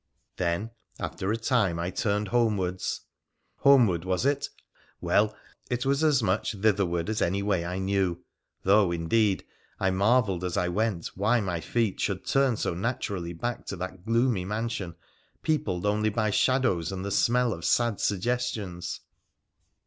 Then, after a time, I turned homewards. Homeward, was it ? Well, it was as much thitherward as any way I knew, though, indeed, I marvelled as I went why my feet should turn so naturally back to that gloomy mansion peopled only by shadows and the smell of sad suggestions.